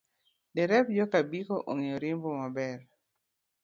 Derep joka Biko ong'eyo riembo maber.